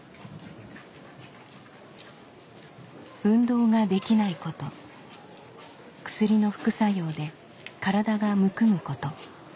運動ができないこと薬の副作用で体がむくむこと。